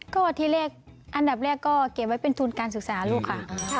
ก็ที่แรกอันดับแรกก็เก็บไว้เป็นทุนการศึกษาลูกค่ะ